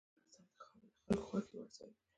افغانستان کې خاوره د خلکو د خوښې وړ ځای دی.